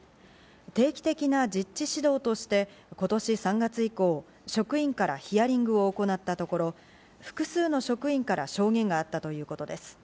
定期的な実地指導として今年３月以降、職員からヒアリングを行ったところ複数の職員から証言があったということです。